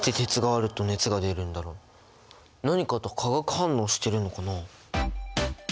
何かと化学反応してるのかな？